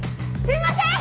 すいません‼